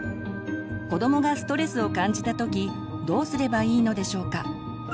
子どもがストレスを感じた時どうすればいいのでしょうか。